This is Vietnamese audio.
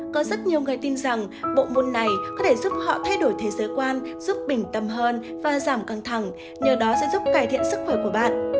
có rất nhiều người tin rằng bộ môn này có thể giúp họ thay đổi thế giới quan giúp bình tâm hơn và giảm căng thẳng nhờ đó sẽ giúp cải thiện sức khỏe của bạn